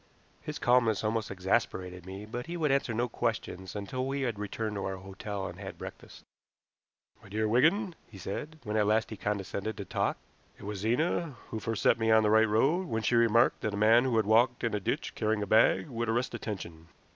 His calmness almost exasperated me, but he would answer no questions until we had returned to our hotel and had breakfast. "My dear Wigan," he said, when at last he condescended to talk, "it was Zena who first set me on the right road, when she remarked that a man who had walked in a ditch carrying a bag would arrest attention.